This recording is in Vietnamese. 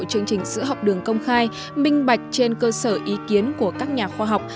chương trình sữa học đường công khai minh bạch trên cơ sở ý kiến của các nhà khoa học